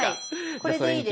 これでいいです。